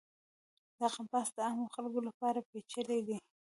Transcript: دغه بحث د عامو خلکو لپاره پیچلی دی.